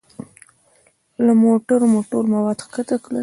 له موټرو مو ټول مواد ښکته کړل.